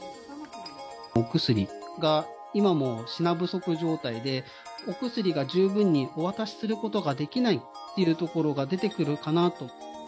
お薬が今もう品不足状態で、お薬が十分お渡しすることができないっていうところが出てくるか